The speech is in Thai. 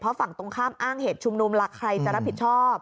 เพราะฝั่งตรงข้ามอ้างเหตุชุมนุมล่ะใครจะรับผิดชอบ